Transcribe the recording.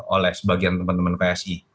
oleh sebagian teman teman psi